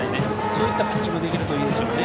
そういったピッチングができるといいですね。